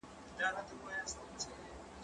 زه پلان نه جوړوم!؟